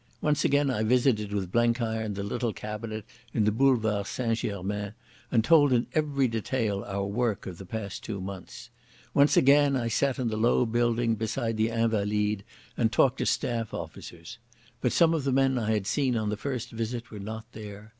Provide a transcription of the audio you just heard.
Once again I visited with Blenkiron the little cabinet in the Boulevard St Germain, and told in every detail our work of the past two months. Once again I sat in the low building beside the Invalides and talked to staff officers. But some of the men I had seen on the first visit were not there.